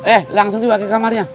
eh langsung juga ke kamarnya